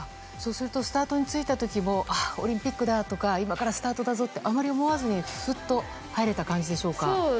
そうするとスタートに着いた時もオリンピックだ！とか今からスタートだぞってあまり思わずにすっと入れた感じでしょうか。